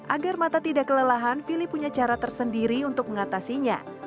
agar mata tidak kelelahan fili punya cara tersendiri untuk mengatasinya